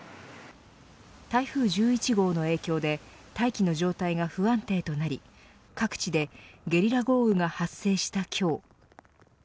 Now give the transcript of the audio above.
台風１１号の影響で大気の状態が不安定となり各地でゲリラ豪雨が発生した今日。